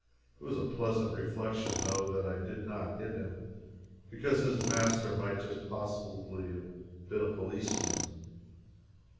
It was a pleasant reflection, though, that I did not hit him, because his master might just possibly have been a policeman.